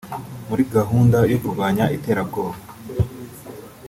muri gahunda yo kurwanya iterabwoba